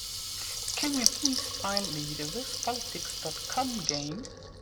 Can you please find me the Wispolitics.com game?